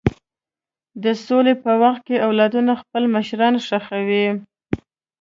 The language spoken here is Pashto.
د سولې په وخت کې اولادونه خپل مشران ښخوي.